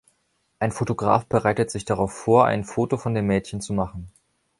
Ein Fotograf bereitet sich darauf vor, ein Foto von dem Mädchen zu machen.